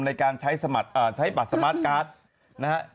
ในการใช้บัตรสมาร์ทการ์ดนะฮะ